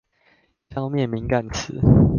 消滅敏感詞